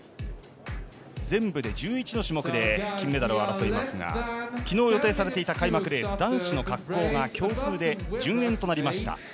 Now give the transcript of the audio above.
全部で１１の種目で金メダルを争いますが昨日予定されていた開幕レース男子の滑降が強風で順延となりました。